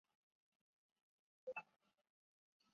古典音乐的和弦记号是和调性互相对应的。